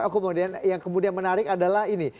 kemudian yang kemudian menarik adalah ini